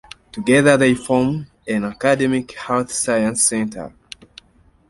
Together they form an academic health science center.